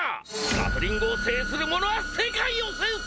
ガトリングを制する者は世界を制す！